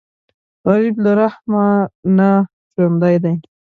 غریب له رحم نه ژوندی دی